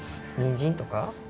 にんじんとか？